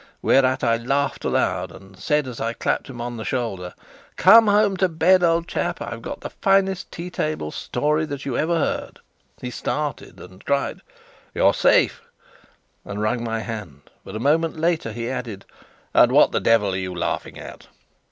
Whereat I laughed again, and said, as I clapped him on the shoulder: "Come home to bed, old chap. I've got the finest tea table story that ever you heard!" He started and cried: "You're safe!" and wrung my hand. But a moment later he added: "And what the devil are you laughing at?"